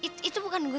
atau kita jadi